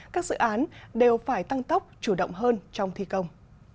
các dự án đều phải tăng tốc chủ động hơn trong thi công